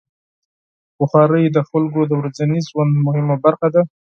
بخاري د خلکو د ورځني ژوند مهمه برخه ده.